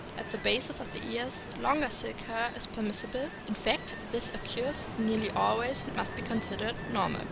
At the basis of the ears, longer silky hair is permissible; in fact, this occurs nearly always, and must be considered normal.